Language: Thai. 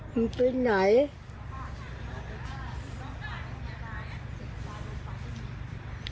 มึงไปไหน